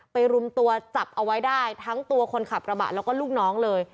รุมตัวจับเอาไว้ได้ทั้งตัวคนขับกระบะแล้วก็ลูกน้องเลย